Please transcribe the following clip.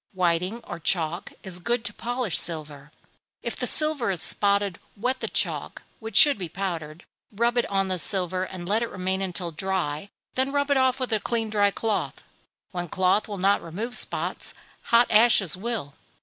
Whiting or chalk is good to polish silver. If the silver is spotted, wet the chalk, (which should be powdered,) rub it on the silver, and let it remain until dry; then rub it off with a clean dry cloth. When chalk will not remove spots, hot ashes will.